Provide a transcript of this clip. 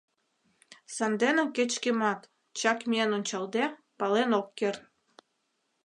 Сандене кеч-кӧмат, чак миен ончалде, пален ок керт.